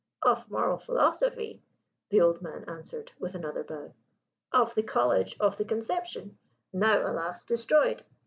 " of Moral Philosophy," the old man answered with another bow. "Of the College of the Conception now, alas! destroyed."